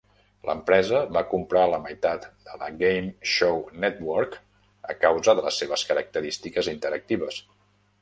L'empresa va comprar la meitat de la Game Show Network a causa de les seves característiques interactives.